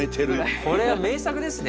これは名作ですね。